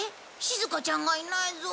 しずかちゃんがいないぞ。